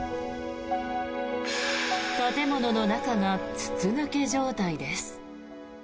建物の中が筒抜け状態です。